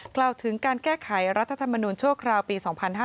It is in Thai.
กล่าวถึงการแก้ไขรัฐธรรมนูญชั่วคราวปี๒๕๕๙